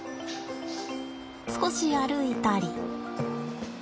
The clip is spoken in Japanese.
少し歩いたり。